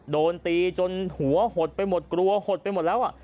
โดนตีจนหัวหดไปหมดกลัวหดไปหมดแล้ว